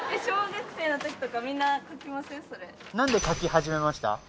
それ何で書き始めました？